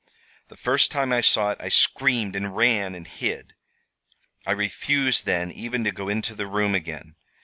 The first time I saw it I screamed, and ran and hid. I refused then even to go into the room again.